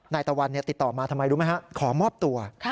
ตะวันติดต่อมาทำไมรู้ไหมฮะขอมอบตัว